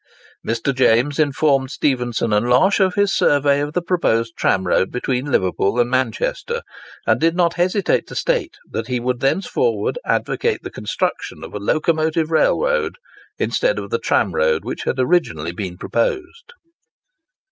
Mr. James informed Stephenson and Losh of his survey of the proposed tramroad between Liverpool and Manchester, and did not hesitate to state that he would thenceforward advocate the construction of a locomotive railroad instead of the tramroad which had originally been proposed.